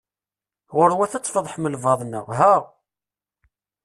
Ɣuṛwet ad tfeḍḥem lbaḍna! ha!